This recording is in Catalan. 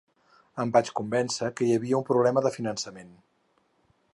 Em vaig convèncer que hi havia un problema de finançament.